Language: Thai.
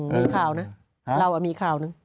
มีข่าวนะเรามีข่าวหนึ่ง